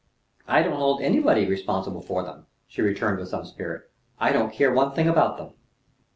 "I don't hold anybody responsible for them," she returned with some spirit. "I don't care one thing about them."